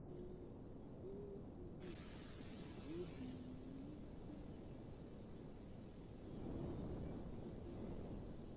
Others argue that managed care puts the emphasis on financial implications instead of healthcare.